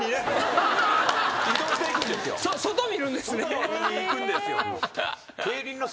外を見に行くんですよ。